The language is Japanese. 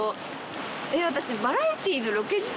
私。